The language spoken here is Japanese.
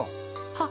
はっ！